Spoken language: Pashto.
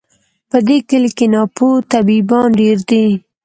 په دې کلي کي ناپوه طبیبان ډیر دي